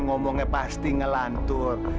namanya pasti melantur